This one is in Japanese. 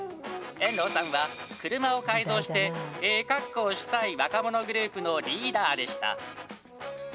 遠藤さんは車を改造して、ええカッコをしたい若者グループのリーダーでした。